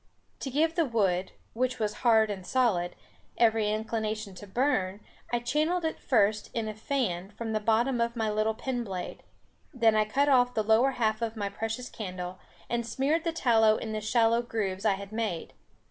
To give the wood, which was hard and solid, every inclination to burn, I channeled it first in a fan from the bottom with my little pen blade. Then I cut off the lower half of my precious candle, and smeared the tallow in the shallow grooves I had made.